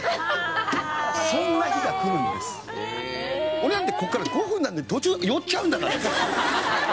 俺なんてここから５分なのに途中寄っちゃうんだから！